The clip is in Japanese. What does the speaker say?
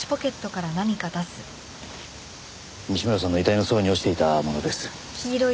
西村さんの遺体のそばに落ちていたものです。